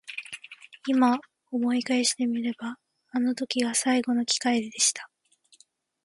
今思い返してみればあの時が最後の機会でした。